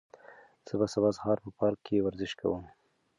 زه به سبا سهار په پارک کې ورزش کوم.